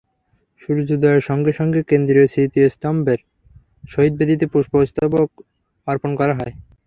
সূর্যোদয়ের সঙ্গে সঙ্গে কেন্দ্রীয় স্মৃতিস্তম্ভের শহীদ বেদিতে পুষ্পস্তবক অর্পণ করা হয়।